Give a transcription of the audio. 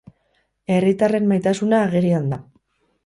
Herritarren maitasuna agerian da.